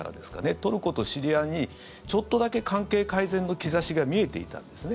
トルコとシリアにちょっとだけ関係改善の兆しが見えていたんですね。